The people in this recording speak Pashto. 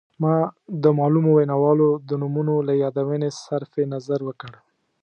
ما د معلومو ویناوالو د نومونو له یادونې صرف نظر وکړ.